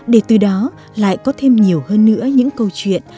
để từ đó lại có thêm nhiều hơn nữa những câu chuyện